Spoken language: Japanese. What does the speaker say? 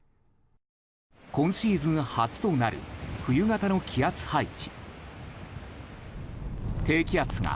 今シーズン初となる冬型の気圧配置。